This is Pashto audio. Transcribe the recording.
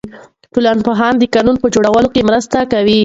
ټولنپوهنه د قانون په جوړولو کې مرسته کوي.